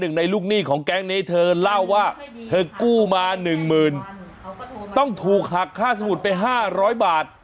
ในลูกหนี้ของแก๊งนี้เธอเล่าว่าเธอกู้มาหนึ่งหมื่นต้องถูกหักค่าสมุดไป๕๐๐บาท